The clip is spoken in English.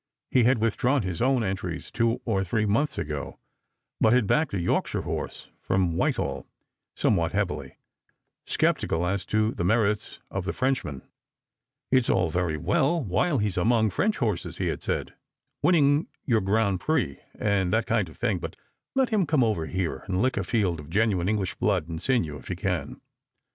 He had withdrawn his own entries two or three months ago, but had backed a Yorkshire horse, from Whitehall, somewhat heavily, sceptical as to the merits of the Frenchman. 176 Stranger* and Pilgrims. " It's all very we?! while he's among French horses," he had said, " winning your Grand Prix, and that kind of thing ; but let him come over here and lick a field of geuuine English blood and sinew, if he can."